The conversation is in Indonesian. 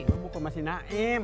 gua buka masi naim